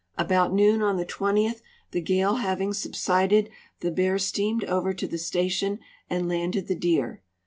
About noon on the 20th, the gale haA'ing subsided, the Bear steamed over to the station and landed the deer.